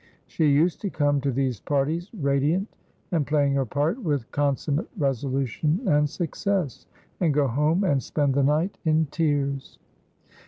She used to come to these parties radiant and playing her part with consummate resolution and success, and go home and spend the night in tears.